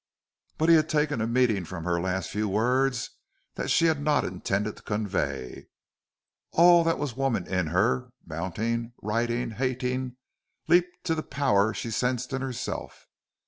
But he had taken a meaning from her last few words that she had not intended to convey. All that was woman in her mounting, righting, hating leaped to the power she sensed in herself.